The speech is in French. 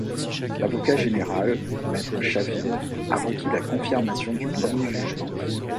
L'avocat général, M Chavigne, a requis la confirmation du premier jugement.